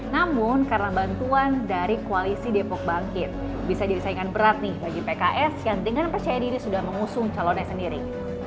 namun karena bantuan dari koalisi depok bangkit bisa jadi saingan berat nih bagi pks yang dengan percaya diri sudah mengusung calonnya sendiri